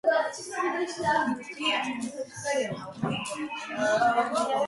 ნიშნობა პოლიტიკურად მოტივირებული იყო.